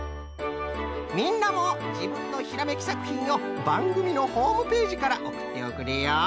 みんなもじぶんのひらめきさくひんをばんぐみのホームページからおくっておくれよ。